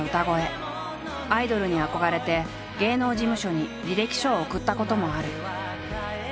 アイドルに憧れて芸能事務所に履歴書を送ったこともある。